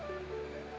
selama pandemi ini